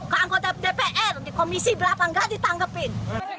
ke anggota dpr di komisi berapa nggak ditangkepin